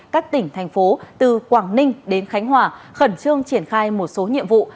các tỉnh thành phố từ quảng ninh đến khánh hòa khẩn trương triển khai một số nhiệm vụ